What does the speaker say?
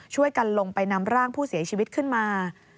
ช่วยกันลงไปนำร่างผู้เสียชีวิตขึ้นมา